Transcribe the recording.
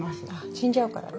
死んじゃうからね。